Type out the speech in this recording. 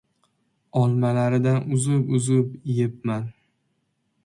Olmalaridan uzib-uzib yebman.